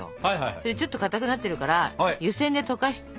ちょっとかたくなってるから湯せんで溶かして。